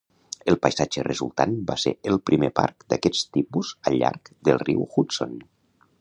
El paisatge resultant va ser el primer parc d'aquest tipus al llarg del riu Hudson.